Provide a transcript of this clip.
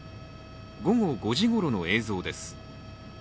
午後５時ごろの映像です。